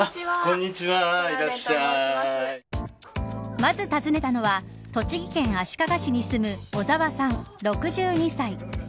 まず尋ねたのは栃木県足利市に住む小澤さん、６２歳。